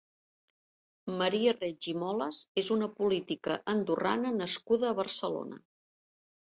Maria Reig i Moles és una política andorrana nascuda a Barcelona.